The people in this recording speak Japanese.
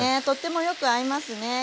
とってもよく合いますね。